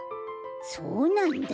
そうなんだ。